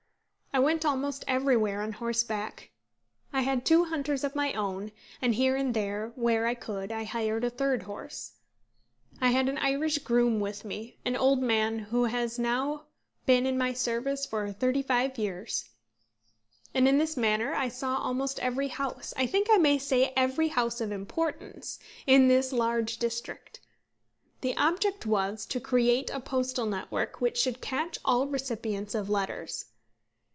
I went almost everywhere on horseback. I had two hunters of my own, and here and there, where I could, I hired a third horse. I had an Irish groom with me, an old man, who has now been in my service for thirty five years; and in this manner I saw almost every house I think I may say every house of importance in this large district. The object was to create a postal network which should catch all recipients of letters.